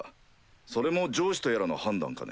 それも上司とやらの判断かね？